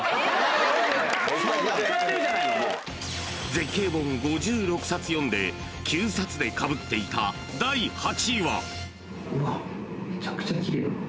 ［絶景本５６冊読んで９冊でかぶっていた第８位は？］